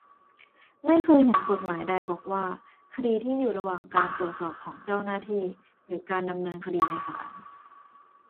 ไม่เคยเห็นกฎหมายใดบอกว่า คดีที่อยู่ระหว่างการตรวจสอบของเจ้าหน้าที่ หรือการดำเนินคดีในศาล